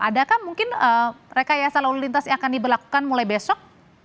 adakah mungkin rekayasa lalu lintas yang akan diberlakukan mulai besok